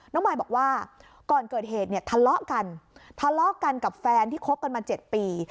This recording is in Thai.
มายบอกว่าก่อนเกิดเหตุเนี่ยทะเลาะกันทะเลาะกันกับแฟนที่คบกันมา๗ปี